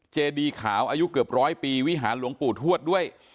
เจดีขาวอายุเกือบร้อยปีวิหารหลวงปู่ทวดด้วย